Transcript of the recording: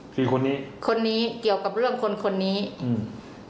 คนนี้คนนี้เกี่ยวกับเรื่องคนคนนี้อืม